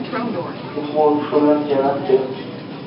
دې مور پښو لاندې جنت دی